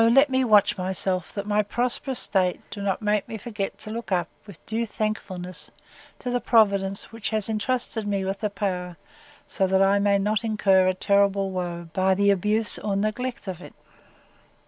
let me watch myself, that my prosperous state do not make me forget to look up, with due thankfulness, to the Providence which has entrusted me with the power, that so I may not incur a terrible woe by the abuse or neglect of it!